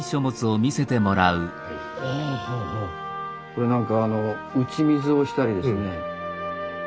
これなんか打ち水をしたりですね。